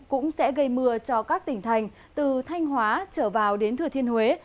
cũng sẽ gây mưa cho các tỉnh thành từ thanh hóa trở vào đến thừa thiên huế